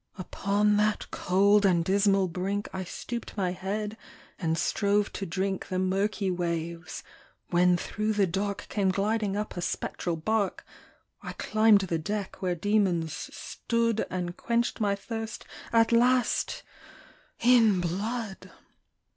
Upon that cold and dismal brink I stooped my head and strove to drink The murky waves, when through the dark Came gliding up a spectral bark ; I climbed the deck, where demons stood, And quenched my thirst at last, in blood!